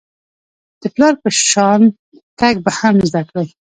د پلار په شان تګ به هم زده کړئ .